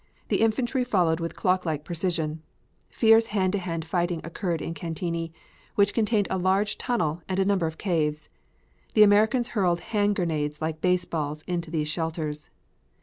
The infantry followed with clock like precision. Fierce hand to hand fighting occurred in Cantigny, which contained a large tunnel and a number of caves. The Americans hurled hand grenades like baseballs into these shelters.